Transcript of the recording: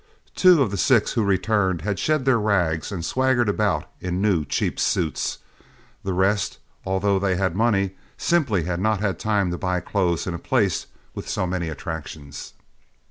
Two of the six who returned had shed their rags and swaggered about in new, cheap suits; the rest, although they had money, simply had not had the time to buy clothes in a place with so many attractions.